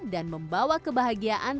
dan membawa kebahagiaan